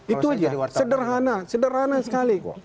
itu saja sederhana sederhana sekali